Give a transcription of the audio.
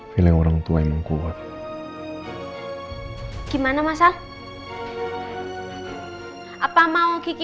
feeling orang tua yang menghalangnya ini memang tidak bisa saya angkat tapi saya bisa mengangkatnya ini memang tidak bisa saya angkat